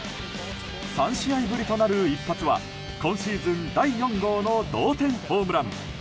３試合ぶりとなる一発は今シーズン第４号の同点ホームラン。